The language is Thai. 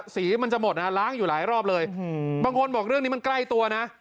พี่โทษบอกเรื่องนี้มันใกล้ตัวนะ